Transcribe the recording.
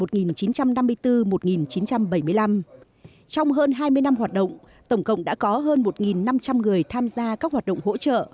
trong hơn hai mươi năm hoạt động tổng cộng đã có hơn một năm trăm linh người tham gia các hoạt động hỗ trợ